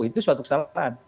itu suatu kesalahan